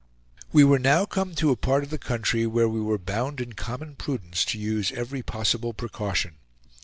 We were now come to a part of the country where we were bound in common prudence to use every possible precaution.